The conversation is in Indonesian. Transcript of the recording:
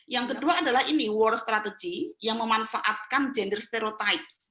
yang kedua adalah war strategy yang memanfaatkan gender stereotypes